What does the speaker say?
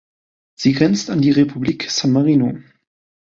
Sie grenzt an die Republik San Marino.